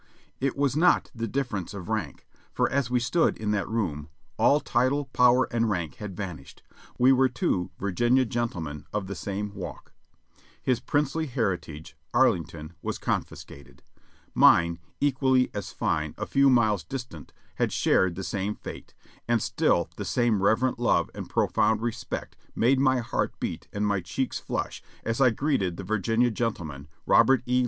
It was not the difference of rank, for as we stood in that room, all title, power and rank had vanquished ; we were two Virginia gentle men of the same walk ; his princely heritage, Arlington, was con fiscated; mine, equally as fine, a few miles distant, had shared the THE CURTAIN FALLS 707 same fate, and still the same reverent love and profound respect made my heart beat and my cheeks fiush as I greeted the Vir ginia gentleman, Robert E.